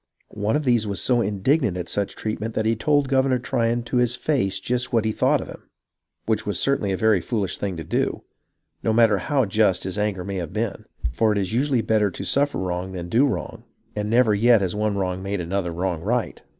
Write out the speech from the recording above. One of these was so indignant at such treatment that he told Governor Tryon to his face just what he thought of him, which was certainly a very fooHsh thing to do, no matter how just his anger may have been ; for it is usually better to suffer wrong than do wrong, and never yet has one wrong made another wrong right.